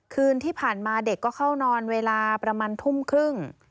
คืนที่ผ่านมาเด็กก็เข้านอนเวลาประมาณทุ่มครึ่ง